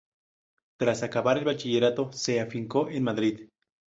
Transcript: Tras acabar el bachillerato, se afincó en Madrid.